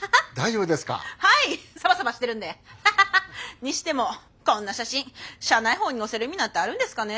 にしてもこんな写真社内報に載せる意味なんてあるんですかね？